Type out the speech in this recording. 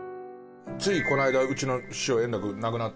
ついこの間うちの師匠円楽亡くなって。